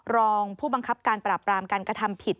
รองผู้บังคับการปราบรามการกระทำผิด